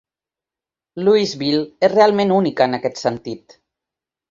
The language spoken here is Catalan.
Lewisville és realment única en aquest sentit.